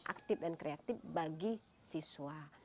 aktif dan kreatif bagi siswa